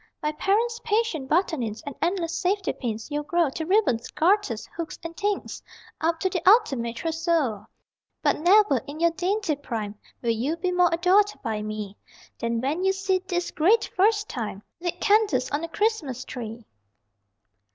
By parents' patient buttonings, And endless safety pins, you'll grow To ribbons, garters, hooks and things, Up to the Ultimate Trousseau But never, in your dainty prime, Will you be more adored by me Than when you see, this Great First Time, Lit candles on a Christmas Tree!